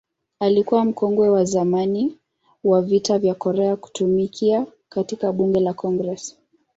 Alikuwa mkongwe wa zamani wa Vita vya Korea kutumikia katika Bunge la Congress.